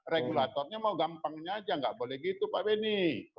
regulatornya mau gampangnya saja nggak boleh gitu pak benny